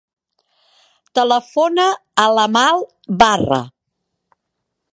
Telefona a l'Amal Barra.